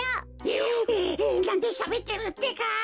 えなんでしゃべってるってか？